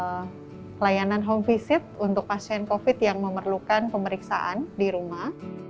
lalu kita ada layanan home visit untuk pasien covid yang memerlukan pemeriksaan di rumah